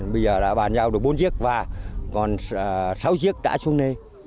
bây giờ đã bàn giao được bốn chiếc và còn sáu chiếc đã xuống nê